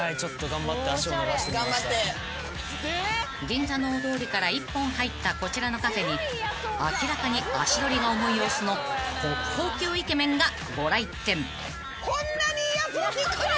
［銀座の大通りから１本入ったこちらのカフェに明らかに足取りが重い様子の国宝級イケメンがご来店］